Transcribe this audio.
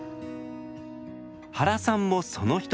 原さんもその一人。